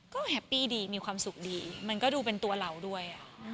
ก็แฮปปี้ดีมีความสุขดีมันก็ดูเป็นตัวเราด้วย